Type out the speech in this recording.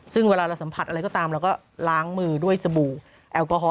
ซึ่งเวลาเราสัมผัสอะไรก็ตามเราก็ล้างมือด้วยสบู่แอลกอฮอล